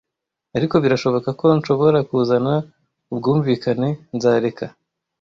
Ariko birashoboka ko nshobora kuzana ubwumvikane - Nzareka